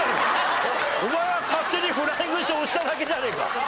お前が勝手にフライングして押しただけじゃねえか！